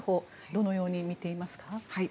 どのように見ていますか？